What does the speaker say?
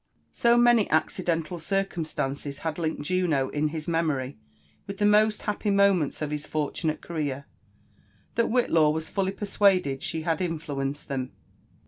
So many accidental circumstances had linked Juno in his memory with the most happy moments of his fortunate career, that Whitlaw was fully persuaded she had influenced them.